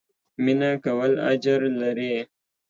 مينه کول اجر لري